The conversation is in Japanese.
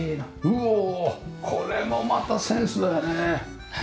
うわこれもまたセンスだよね。